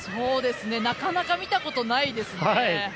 なかなか見たことないですね。